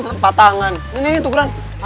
serta patangan ini tukeran